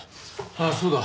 ああそうだ。